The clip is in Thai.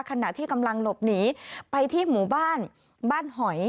ขณะที่กำลังหลบหนีไปที่หมู่บ้านบ้านหอย